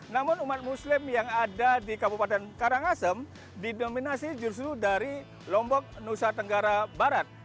namun umat muslim yang ada di kabupaten karangasem didominasi justru dari lombok nusa tenggara barat